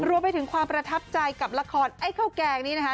รวมไปถึงความประทับใจกับละครไอ้ข้าวแกงนี้นะคะ